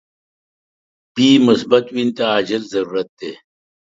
بی مثبت وینی ته عاجل ضرورت دي.